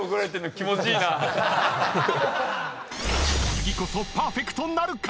［次こそパーフェクトなるか⁉］